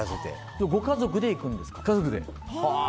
ご家族で行くんですか？